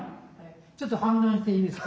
ちょっと反論していいですか？